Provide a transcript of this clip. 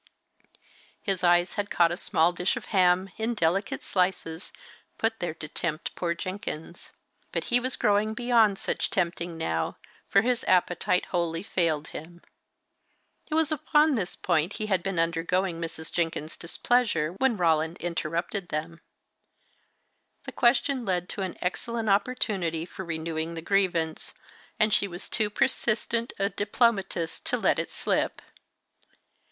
His eyes had caught a small dish of ham, in delicate slices, put there to tempt poor Jenkins. But he was growing beyond such tempting now, for his appetite wholly failed him. It was upon this point he had been undergoing Mrs. Jenkins's displeasure when Roland interrupted them. The question led to an excellent opportunity for renewing the grievance, and she was too persistent a diplomatist to let it slip.